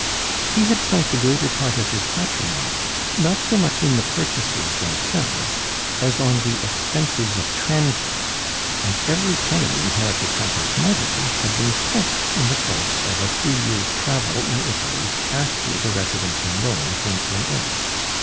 He had sunk the greater part of his patrimony, not so much in the purchases themselves as on the expenses of transit; and every penny inherited from his mother had been spent in the course of a three years' travel in Italy after the residence in Rome came to an end.